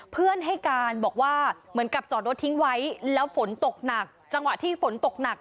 เพื่อนให้การบอกว่าเหมือนกับจอดรถทิ้งไว้แล้วฝนตกหนักจังหวะที่ฝนตกหนัก